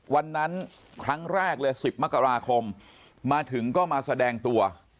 วันนั้นครั้งแรกเลย๑๐มกราคมมาถึงก็มาแสดงตัว